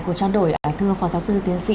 của trang đổi thưa phó giáo sư tiến sĩ